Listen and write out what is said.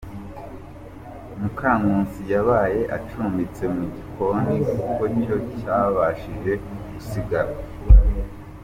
Mukankusi yabaye acumbitse mu gikoni kuko cyo cyabashije gusigara.